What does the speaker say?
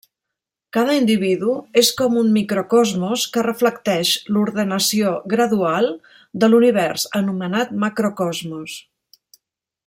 Cada individu és com un microcosmos que reflecteix l'ordenació gradual de l'univers, anomenat macrocosmos.